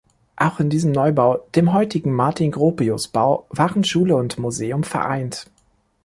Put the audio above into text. Auch in diesem Neubau, dem heutigen Martin-Gropius-Bau, waren Schule und Museum vereint.